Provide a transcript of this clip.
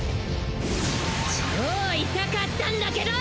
超イタかったんだけど！